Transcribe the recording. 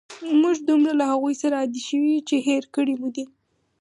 موږ دومره له هغوی سره عادی شوي یو، چې هېر کړي مو دي.